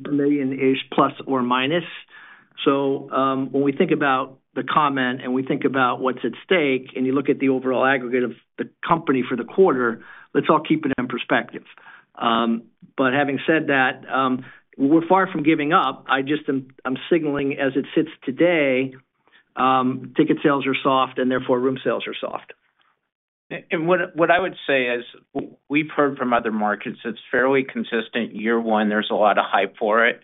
million-ish, plus or minus. So, when we think about the comment and we think about what's at stake, and you look at the overall aggregate of the company for the quarter, let's all keep it in perspective. But having said that, we're far from giving up. I just, I'm signaling as it sits today, ticket sales are soft and therefore room sales are soft. What I would say is we've heard from other markets, it's fairly consistent. Year one, there's a lot of hype for it.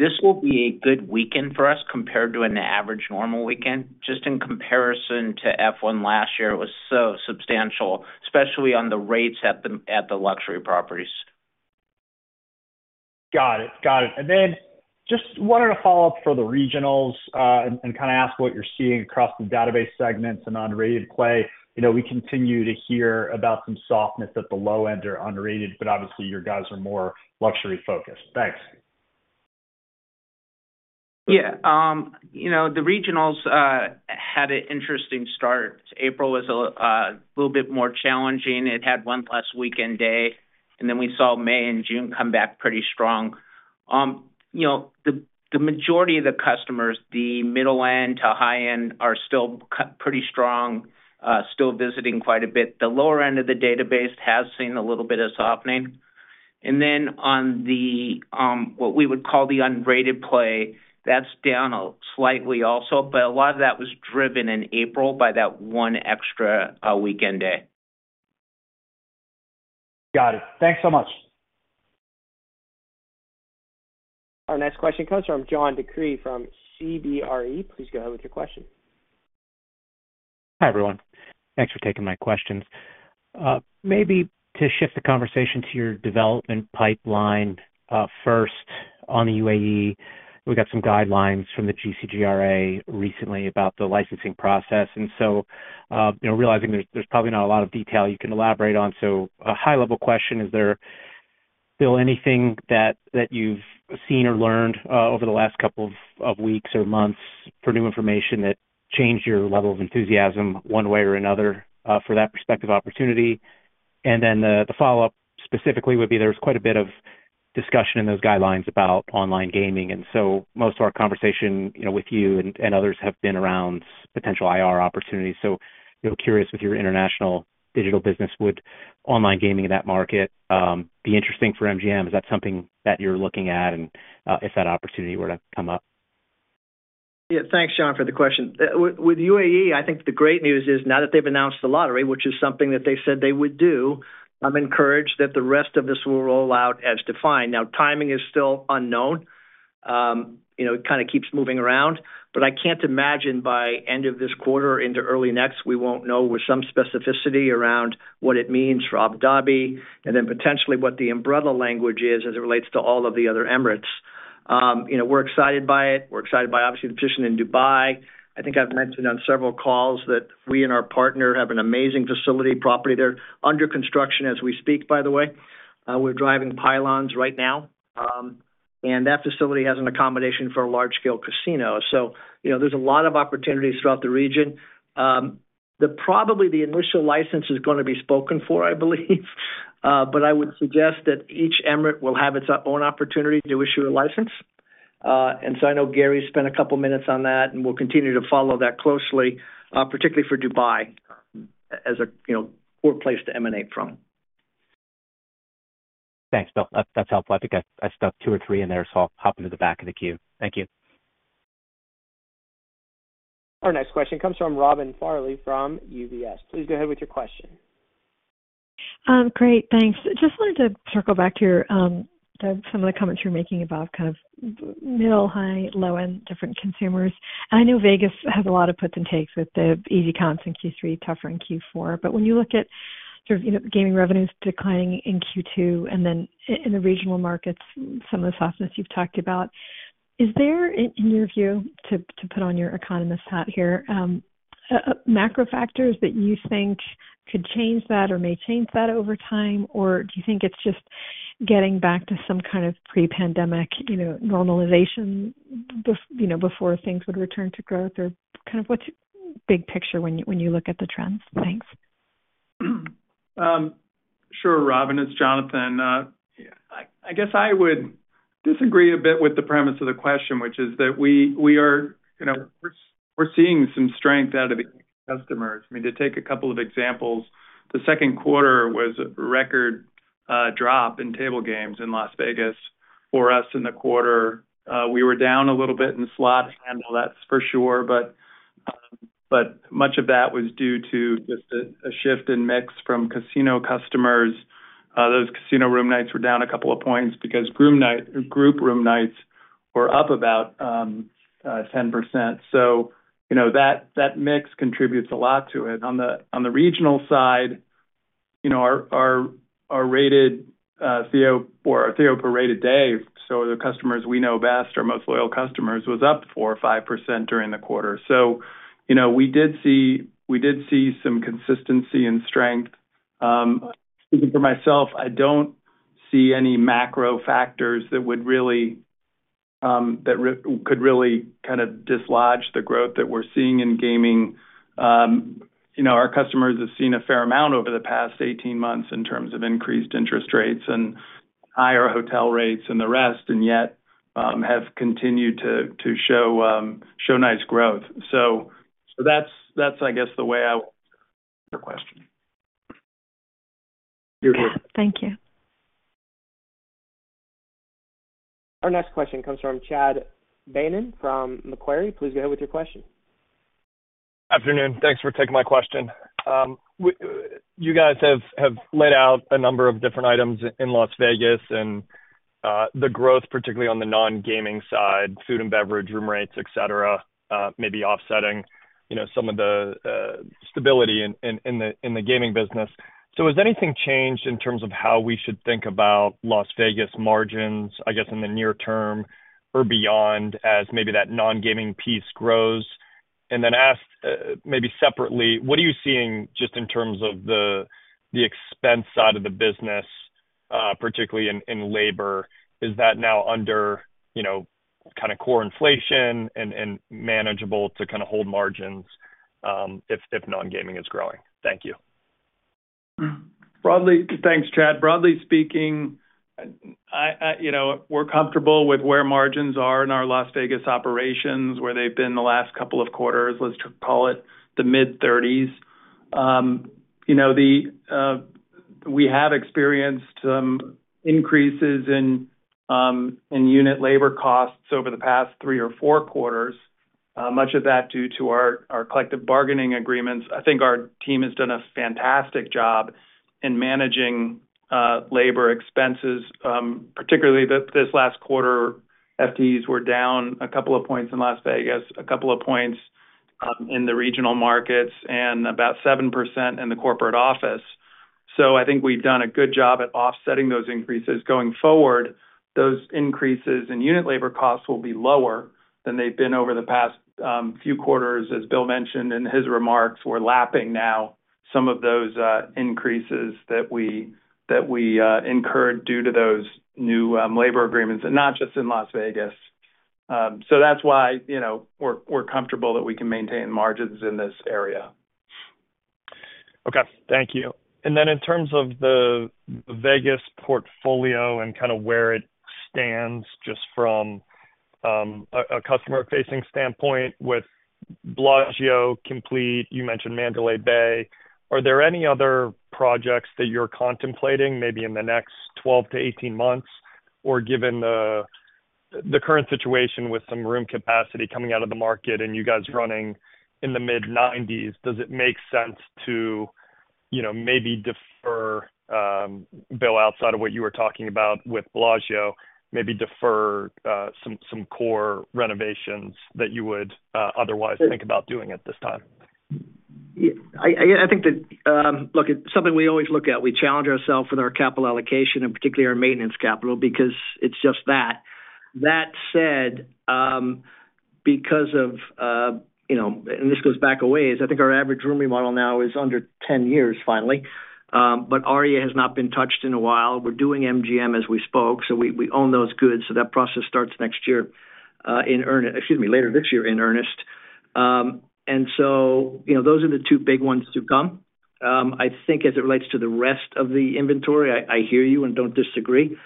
This will be a good weekend for us compared to an average normal weekend. Just in comparison to F1 last year, it was so substantial, especially on the rates at the luxury properties. Got it. Got it. And then just wanted to follow up for the regionals and kind of ask what you're seeing across the database segments and on rated play. You know, we continue to hear about some softness at the low end or unrated, but obviously, you guys are more luxury focused. Thanks. Yeah, you know, the regionals had an interesting start. April was a little bit more challenging. It had one less weekend day, and then we saw May and June come back pretty strong. You know, the majority of the customers, the middle end to high end, are still pretty strong, still visiting quite a bit. The lower end of the database has seen a little bit of softening. And then on the what we would call the unrated play, that's down slightly also, but a lot of that was driven in April by that one extra weekend day. Got it. Thanks so much. Our next question comes from John DeCree from CBRE. Please go ahead with your question. Hi, everyone. Thanks for taking my questions. Maybe to shift the conversation to your development pipeline, first on the UAE, we got some guidelines from the GCGRA recently about the licensing process, and so, you know, realizing there's probably not a lot of detail you can elaborate on. So a high-level question, is there still anything that you've seen or learned over the last couple of weeks or months for new information that changed your level of enthusiasm one way or another for that prospective opportunity? And then the follow-up specifically would be, there was quite a bit of discussion in those guidelines about online gaming, and so most of our conversation, you know, with you and others have been around potential IR opportunities. You know, curious if your international digital business, would online gaming in that market, be interesting for MGM? Is that something that you're looking at, and if that opportunity were to come up? Yeah. Thanks, John, for the question. With UAE, I think the great news is, now that they've announced the lottery, which is something that they said they would do, I'm encouraged that the rest of this will roll out as defined. Now, timing is still unknown. You know, it kind of keeps moving around, but I can't imagine by end of this quarter into early next, we won't know with some specificity around what it means for Abu Dhabi, and then potentially what the umbrella language is as it relates to all of the other Emirates. You know, we're excited by it. We're excited by, obviously, the position in Dubai. I think I've mentioned on several calls that we and our partner have an amazing facility property there, under construction as we speak, by the way. We're driving pylons right now, and that facility has an accommodation for a large-scale casino. So, you know, there's a lot of opportunities throughout the region. Probably the initial license is gonna be spoken for, I believe, but I would suggest that each emirate will have its own opportunity to issue a license. And so I know Gary spent a couple of minutes on that, and we'll continue to follow that closely, particularly for Dubai, as a, you know, prime place to emanate from. Thanks, Bill. That's helpful. I think I stuck two or three in there, so I'll hop into the back of the queue. Thank you. Our next question comes from Robin Farley from UBS. Please go ahead with your question. Great, thanks. Just wanted to circle back to your, to some of the comments you were making about kind of middle, high, low end, different consumers. I know Vegas has a lot of puts and takes, with the easy counts in Q3, tougher in Q4. But when you look at sort of, you know, gaming revenues declining in Q2, and then in the regional markets, some of the softness you've talked about, is there in your view to put on your economist hat here, macro factors that you think could change that or may change that over time? Or do you think it's just getting back to some kind of pre-pandemic, you know, normalization, you know, before things would return to growth? Or kind of what's big picture when you, when you look at the trends? Thanks. Sure, Robin, it's Jonathan. I guess I would disagree a bit with the premise of the question, which is that we are, you know, we're seeing some strength out of the customers. I mean, to take a couple of examples, the second quarter was a record drop in table games in Las Vegas for us in the quarter. We were down a little bit in slot handle, that's for sure, but much of that was due to just a shift in mix from casino customers. Those casino room nights were down a couple of points because group room nights were up about 10%. So you know, that mix contributes a lot to it. On the regional side,... you know, our rated CO or our TO per rated day, so the customers we know best, our most loyal customers, was up 4 or 5% during the quarter. So, you know, we did see some consistency and strength. Speaking for myself, I don't see any macro factors that would really, that could really kind of dislodge the growth that we're seeing in gaming. You know, our customers have seen a fair amount over the past 18 months in terms of increased interest rates and higher hotel rates and the rest, and yet, have continued to show nice growth. So that's, I guess, the way I answer your question. Thank you. Our next question comes from Chad Beynon, from Macquarie. Please go ahead with your question. Afternoon. Thanks for taking my question. You guys have laid out a number of different items in Las Vegas and the growth, particularly on the non-gaming side, food and beverage, room rates, et cetera, maybe offsetting, you know, some of the stability in the gaming business. So has anything changed in terms of how we should think about Las Vegas margins, I guess, in the near term or beyond, as maybe that non-gaming piece grows? And then asked, maybe separately, what are you seeing just in terms of the expense side of the business, particularly in labor? Is that now under, you know, kind of core inflation and manageable to kind of hold margins, if non-gaming is growing? Thank you. Thanks, Chad. Broadly speaking, I, you know, we're comfortable with where margins are in our Las Vegas operations, where they've been the last couple of quarters, let's call it the mid-30s. You know, we have experienced some increases in unit labor costs over the past three or four quarters, much of that due to our collective bargaining agreements. I think our team has done a fantastic job in managing labor expenses, particularly this last quarter, FTEs were down a couple of points in Las Vegas, a couple of points in the regional markets, and about 7% in the corporate office. So I think we've done a good job at offsetting those increases. Going forward, those increases in unit labor costs will be lower than they've been over the past few quarters. As Bill mentioned in his remarks, we're lapping now some of those increases that we incurred due to those new labor agreements, and not just in Las Vegas. So that's why, you know, we're comfortable that we can maintain margins in this area. Okay, thank you. And then in terms of the Vegas portfolio and kind of where it stands just from a customer-facing standpoint with Bellagio complete, you mentioned Mandalay Bay, are there any other projects that you're contemplating maybe in the next 12-18 months? Or given the current situation with some room capacity coming out of the market and you guys running in the mid-90s, does it make sense to, you know, maybe defer, Bill, outside of what you were talking about with Bellagio, maybe defer some core renovations that you would otherwise think about doing at this time? Yeah, I think that, look, it's something we always look at. We challenge ourselves with our capital allocation, and particularly our maintenance capital, because it's just that. That said, because of, you know, and this goes back a ways, I think our average room remodel now is under 10 years, finally. But Aria has not been touched in a while. We're doing MGM as we spoke, so we own those goods, so that process starts next year, excuse me, later this year in earnest. And so, you know, those are the two big ones to come. I think as it relates to the rest of the inventory, I hear you and don't disagree.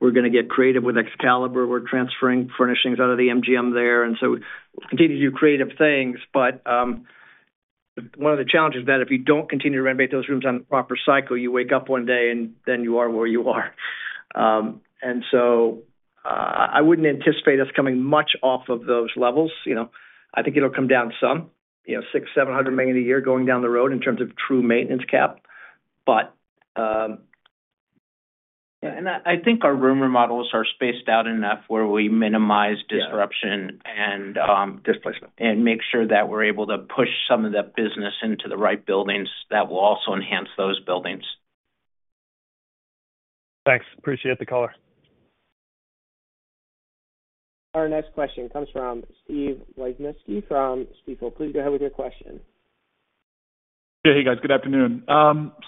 We're gonna get creative with Excalibur. We're transferring furnishings out of the MGM there, and so we'll continue to do creative things. But, one of the challenges is that if you don't continue to renovate those rooms on a proper cycle, you wake up one day, and then you are where you are. I wouldn't anticipate us coming much off of those levels, you know? I think it'll come down some, you know, $600 million-$700 million a year going down the road in terms of true maintenance CapEx. But, Yeah, and I think our room remodels are spaced out enough where we minimize disruption. Yeah. - and, um- Displacement. make sure that we're able to push some of the business into the right buildings that will also enhance those buildings. Thanks. Appreciate the call. Our next question comes from Steven Wieczynski from Stifel. Please go ahead with your question. Yeah. Hey, guys, good afternoon.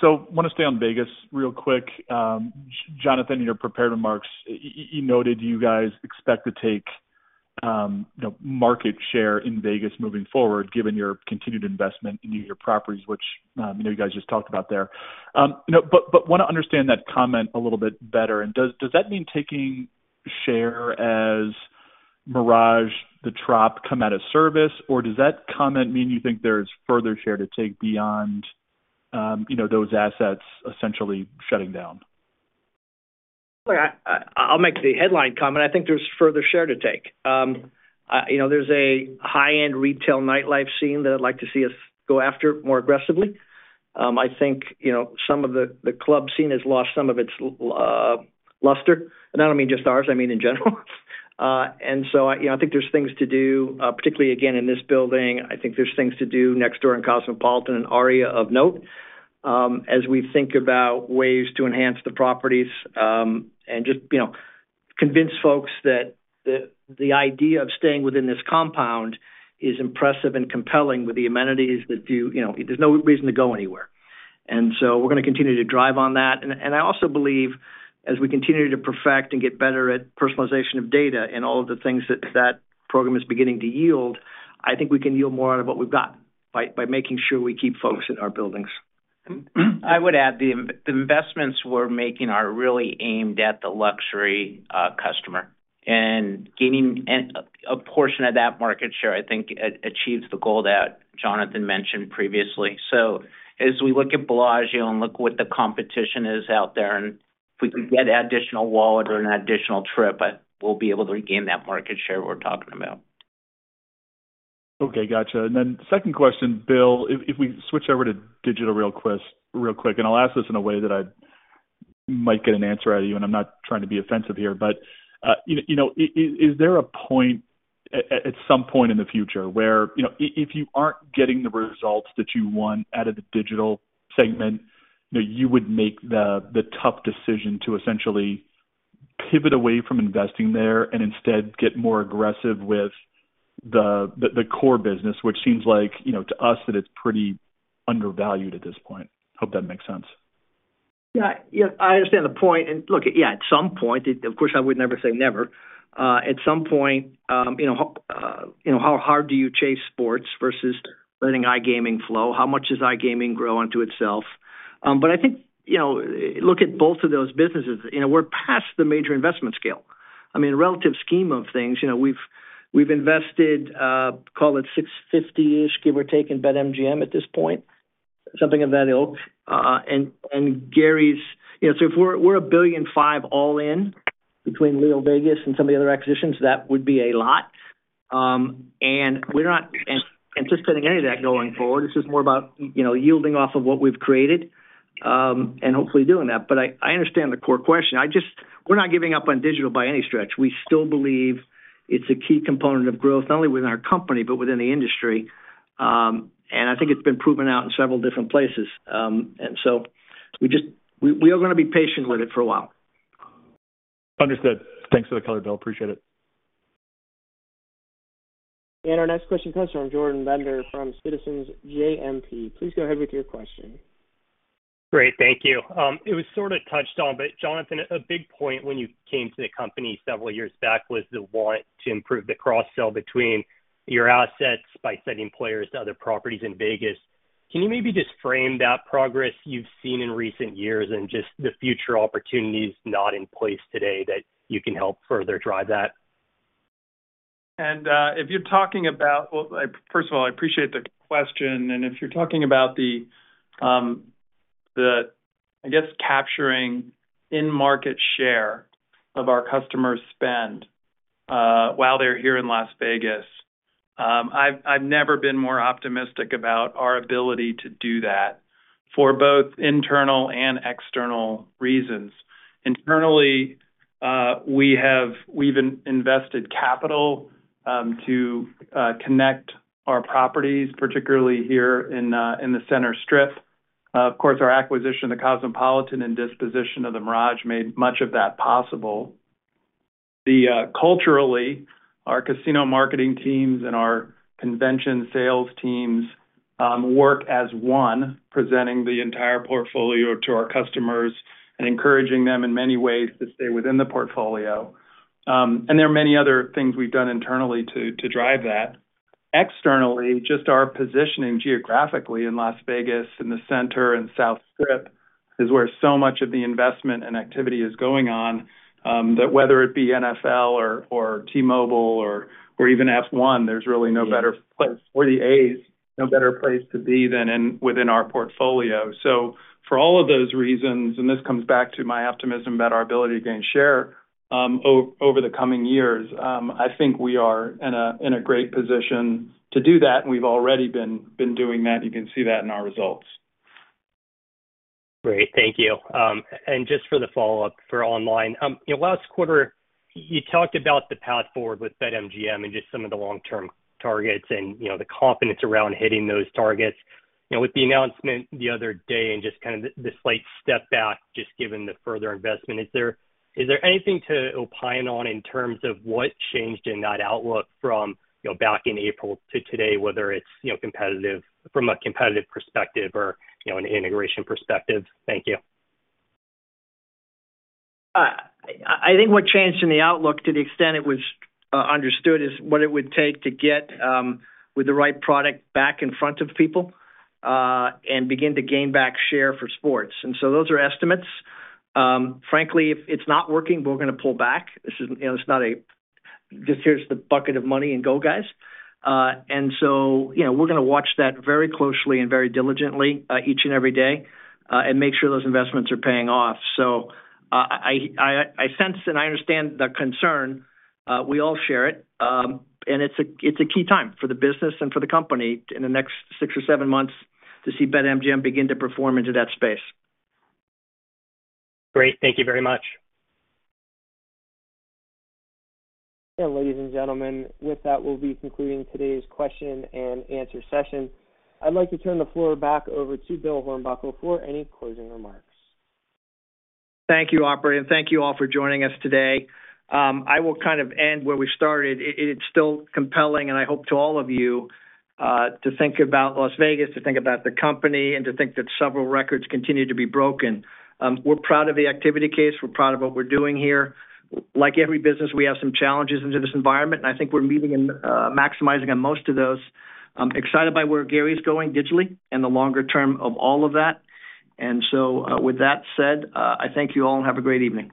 So wanna stay on Vegas real quick. Jonathan, in your prepared remarks, you noted you guys expect to take, you know, market share in Vegas moving forward, given your continued investment in your properties, which, you know, you guys just talked about there. You know, but wanna understand that comment a little bit better. And does that mean taking share as Mirage, the Trop come out of service, or does that comment mean you think there's further share to take beyond, you know, those assets essentially shutting down? Well, I'll make the headline comment. I think there's further share to take. You know, there's a high-end retail nightlife scene that I'd like to see us go after more aggressively. I think, you know, some of the, the club scene has lost some of its luster. And I don't mean just ours, I mean in general. And so I, you know, I think there's things to do, particularly again, in this building. I think there's things to do next door in Cosmopolitan and Aria of note, as we think about ways to enhance the properties, and just, you know, convince folks that, that the idea of staying within this compound is impressive and compelling with the amenities that you, you know, there's no reason to go anywhere. And so we're gonna continue to drive on that. I also believe, as we continue to perfect and get better at personalization of data and all of the things that that program is beginning to yield, I think we can yield more out of what we've got by making sure we keep folks in our buildings. I would add, the investments we're making are really aimed at the luxury customer. And gaining a portion of that market share, I think, achieves the goal that Jonathan mentioned previously. So as we look at Bellagio and look what the competition is out there, and if we can get additional wallet or an additional trip, we'll be able to regain that market share we're talking about. Okay, gotcha. And then second question, Bill, if we switch over to digital real quick, and I'll ask this in a way that I might get an answer out of you, and I'm not trying to be offensive here. But you know, is there a point at some point in the future where, you know, if you aren't getting the results that you want out of the digital segment, you know, you would make the tough decision to essentially pivot away from investing there and instead get more aggressive with the core business, which seems like, you know, to us, that it's pretty undervalued at this point? Hope that makes sense. Yeah. Yeah, I understand the point. And look, yeah, at some point, of course, I would never say never. At some point, you know, you know, how hard do you chase sports versus letting iGaming flow? How much does iGaming grow onto itself? But I think, you know, look at both of those businesses. You know, we're past the major investment scale. I mean, relative scheme of things, you know, we've invested, call it $650 million-ish, give or take, in BetMGM at this point, something of that ilk. And Gary's... You know, so if we're $1.5 billion all in between LeoVegas and some of the other acquisitions, that would be a lot. And we're not anticipating any of that going forward. This is more about, you know, yielding off of what we've created, and hopefully doing that. But I understand the core question. I just. We're not giving up on digital by any stretch. We still believe it's a key component of growth, not only within our company, but within the industry. And I think it's been proven out in several different places. And so we are gonna be patient with it for a while. Understood. Thanks for the color, Bill. Appreciate it. Our next question comes from Jordan Bender, from Citizens JMP. Please go ahead with your question. Great, thank you. It was sort of touched on, but Jonathan, a big point when you came to the company several years back was the want to improve the cross-sell between your assets by sending players to other properties in Vegas. Can you maybe just frame that progress you've seen in recent years and just the future opportunities not in place today that you can help further drive that? Well, first of all, I appreciate the question, and if you're talking about the, I guess, capturing in market share of our customers' spend, while they're here in Las Vegas, I've never been more optimistic about our ability to do that for both internal and external reasons. Internally, we have we've invested capital to connect our properties, particularly here in the center Strip. Of course, our acquisition of the Cosmopolitan and disposition of the Mirage made much of that possible. Then, culturally, our casino marketing teams and our convention sales teams work as one, presenting the entire portfolio to our customers and encouraging them in many ways to stay within the portfolio. And there are many other things we've done internally to drive that. Externally, just our positioning geographically in Las Vegas, in the center and South Strip, is where so much of the investment and activity is going on, that whether it be NFL or T-Mobile or even F1, there's really no better place- or the A's, no better place to be than in our portfolio. So for all of those reasons, and this comes back to my optimism about our ability to gain share over the coming years, I think we are in a great position to do that, and we've already been doing that. You can see that in our results. Great, thank you. And just for the follow-up for online. You know, last quarter, you talked about the path forward with BetMGM and just some of the long-term targets and, you know, the confidence around hitting those targets. You know, with the announcement the other day and just kind of the, the slight step back, just given the further investment, is there, is there anything to opine on in terms of what changed in that outlook from, you know, back in April to today, whether it's, you know, competitive- from a competitive perspective or, you know, an integration perspective? Thank you. I think what changed in the outlook, to the extent it was understood, is what it would take to get with the right product back in front of people and begin to gain back share for sports. And so those are estimates. Frankly, if it's not working, we're gonna pull back. This is, you know, it's not a, just here's the bucket of money and go, guys. And so, you know, we're gonna watch that very closely and very diligently each and every day and make sure those investments are paying off. So, I sense and I understand the concern. We all share it. And it's a key time for the business and for the company in the next six or seven months to see BetMGM begin to perform into that space. Great, thank you very much. Ladies and gentlemen, with that, we'll be concluding today's question and answer session. I'd like to turn the floor back over to Bill Hornbuckle for any closing remarks. Thank you, Operator, and thank you all for joining us today. I will kind of end where we started. It's still compelling, and I hope to all of you to think about Las Vegas, to think about the company, and to think that several records continue to be broken. We're proud of the activity case. We're proud of what we're doing here. Like every business, we have some challenges into this environment, and I think we're meeting and maximizing on most of those. I'm excited by where Gary's going digitally and the longer term of all of that. With that said, I thank you all, and have a great evening.